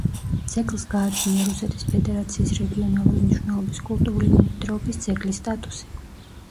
ძეგლს გააჩნია რუსეთის ფედერაციის რეგიონალური მნიშვნელობის კულტურული მემკვიდრეობის ძეგლის სტატუსი.